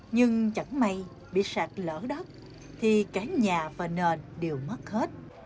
nhưng chẳng may bị sạch lỡ đất thì cả nhà và nền đều mất hết